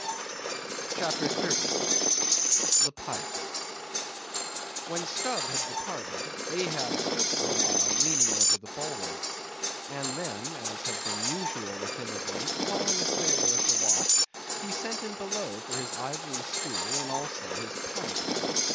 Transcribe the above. CHAPTER 30. The Pipe. When Stubb had departed, Ahab stood for a while leaning over the bulwarks; and then, as had been usual with him of late, calling a sailor of the watch, he sent him below for his ivory stool, and also his pipe.